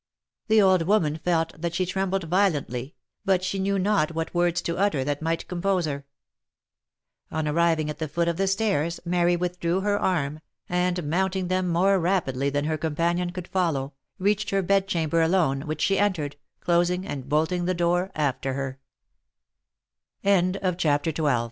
The old woman felt that she trembled violently, but knew not what words to utter that might compose her. On arriving at the foot of the stairs, Mary withdrew her arm, and mounting them more rapidly than her companion could follow, reached her bedchamber alone, which she entered, closin